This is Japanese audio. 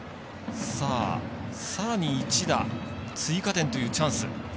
さらに一打追加点というチャンス。